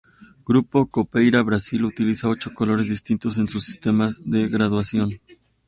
Grupo Capoeira Brasil utiliza ocho colores distintos en su sistema de graduación.